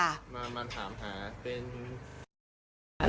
มาถามถาม